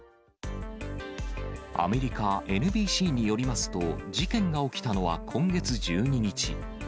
アメリカＮＢＣによりますと、事件が起きたのは今月１２日。